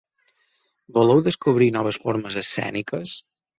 Voleu descobrir noves formes escèniques?